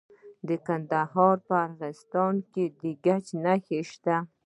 د کندهار په ارغستان کې د ګچ نښې شته.